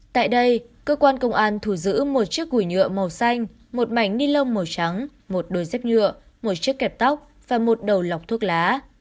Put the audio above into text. tại đây cơ quan công an thủ giữ một chiếc gùi nhựa màu xanh một mảnh ni lông màu trắng một đôi dép nhựa một chiếc kẹp tóc và một đầu lọc thuốc lá